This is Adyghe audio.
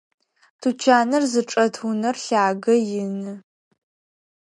Тучаныр зычӏэт унэр лъагэ, ины.